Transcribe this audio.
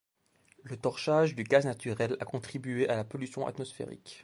Le torchage du gaz naturel a contribué à la pollution atmosphérique.